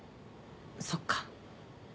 そっか。